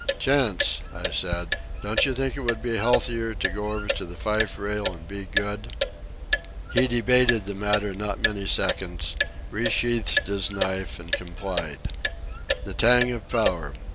"Chantz!" I said; "don't you think it would be healthier to go over to the fife rail and be good?" He debated the matter not many seconds, resheathed his knife, and complied. The tang of power!